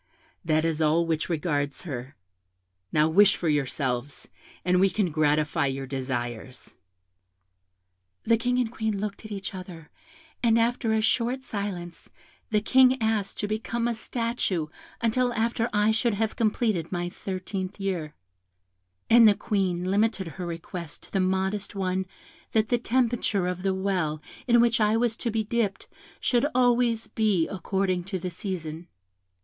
That is all which regards her. Now wish for yourselves, and we can gratify your desires.' "The King and Queen looked at each other, and after a short silence, the King asked to become a statue until after I should have completed my thirteenth year; and the Queen limited her request to the modest one that the temperature of the well in which I was to be dipped should be always according to the season.